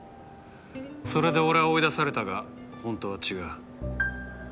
それで俺は追い出されたが本当は違う。